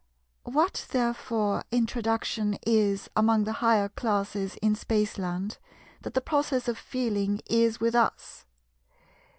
What therefore "introduction" is among the higher classes in Spaceland, that the process of "feeling" is with us.